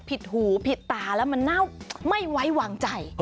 หูผิดตาแล้วมันเน่าไม่ไว้วางใจ